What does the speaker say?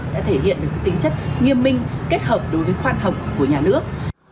đã thể hiện được tính chất nghiêm minh kết hợp đối với khoan hồng của nhà nước